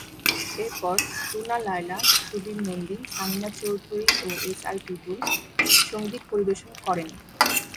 এরপর রুনা লায়লা, সুবীর নন্দী, সামিনা চৌধুরী ও এসআই টুটুল সঙ্গীত পরিবেশন করেন।